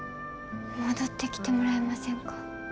戻ってきてもらえませんか？